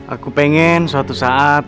aku pengen suatu saat